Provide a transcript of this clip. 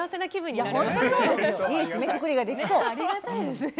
ありがたいですね。